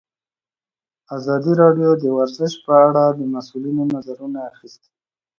ازادي راډیو د ورزش په اړه د مسؤلینو نظرونه اخیستي.